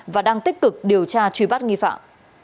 và đang tích cực điều tra truy bắt nghi phạm